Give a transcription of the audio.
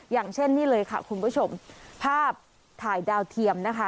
อย่างเช่นนี่เลยค่ะคุณผู้ชมภาพถ่ายดาวเทียมนะคะ